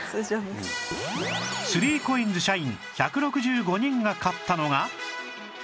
３ＣＯＩＮＳ 社員１６５人が買ったのが